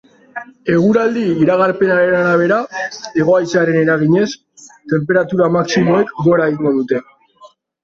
Eguraldi iragarpenaren arabera, hego-haizearen eraginez, tenperatura maximoek gora egingo dute.